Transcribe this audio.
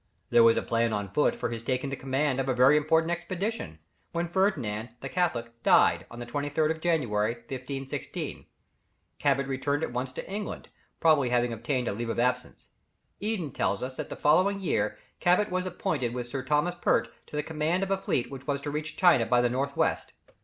There was a plan on foot for his taking the command of a very important expedition, when Ferdinand the Catholic died, on the 23rd of January, 1516. Cabot returned at once to England, having probably obtained leave of absence. Eden tells us that the following year Cabot was appointed with Sir Thomas Pert to the command of a fleet which was to reach China by the north west.